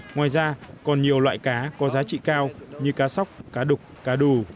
ngoài ra còn nhiều loại cá có giá trị cao như cá sóc cá đục cá đù